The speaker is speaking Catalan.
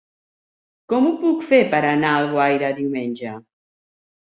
Com ho puc fer per anar a Alguaire diumenge?